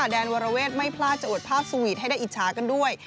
แดนวรเวทไม่พลาดจะอวดภาพสวีทให้ได้อิจฉากันด้วย